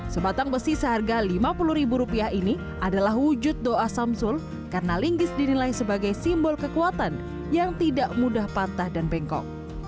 sebatang besi seharga lima puluh ribu rupiah ini adalah wujud doa samsul karena linggis dinilai sebagai simbol kekuatan yang tidak mudah patah dan bengkok